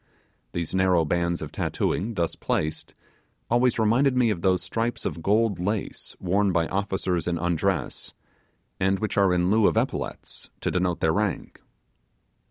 These narrow bands of tattooing, thus placed, always reminded me of those stripes of gold lace worn by officers in undress, and which are in lieu of epaulettes to denote their rank.